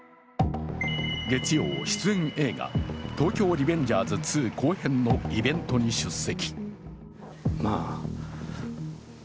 月曜、出演映画「東京リベンジャーズ２」後編のイベントに出席。